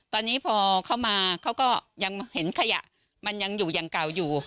ตอนนี้พอเข้ามาเขาก็ยังเห็นขยะมันยังอยู่อย่างเก่าอยู่